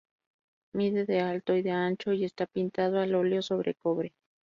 Mide de alto y de ancho, y está pintado al óleo sobre cobre.